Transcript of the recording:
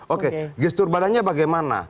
oke gestur badannya bagaimana